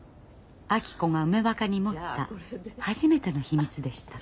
明子が梅若に持った初めての秘密でした。